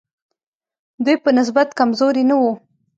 دوی په نسبت کمزوري نه وو.